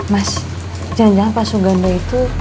mas jangan jangan pak suganda itu